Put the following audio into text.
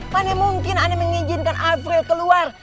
mana mungkin ana mengizinkan apri keluar